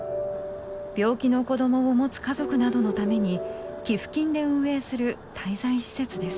病気の子どもを持つ家族などのために寄付金で運営する滞在施設です。